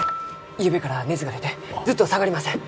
ゆうべから熱が出てずっと下がりません！